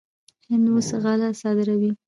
هند اوس غله صادروي.